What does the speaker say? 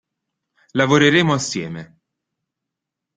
Lavoreremo assieme.